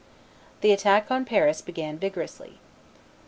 The attack on Paris began vigorously.